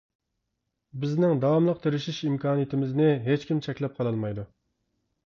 بىزنىڭ داۋاملىق تىرىشىش ئىمكانىيىتىمىزنى ھېچكىم چەكلەپ قالالمايدۇ!